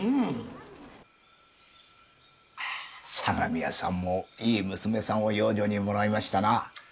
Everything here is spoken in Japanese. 相模屋さんもいい娘さんを養女にもらいましたな。